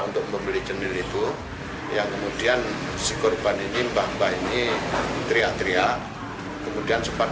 untuk membeli jenil itu yang kemudian si korban ini mbah mbah ini teriak teriak kemudian sempat